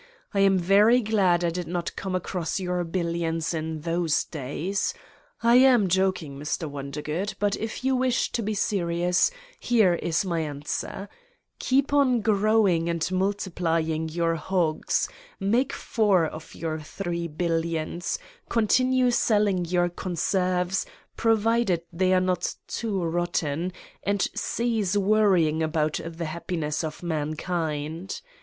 I am very glad I did not come across your billions in those days. I am joking, Mr. Wondergood, but if you wish to be serious, here is my answer: keep on growing and multiplying your hogs, make four of your three billions, continue selling your conserves, provided they are not too rotten, and cease worrying about the happiness of Mankind.